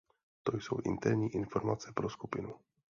To jsou interní informace pro skupinu.